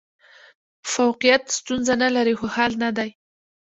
فوقیت ستونزه نه لري، خو حل نه دی.